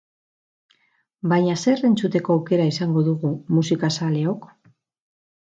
Baina zer entzuteko aukera izango dugu musikazaleok?